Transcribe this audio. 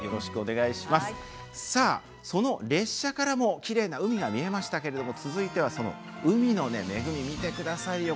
その列車からもきれいな海が見えましたけれども続いては海の恵みを見てください。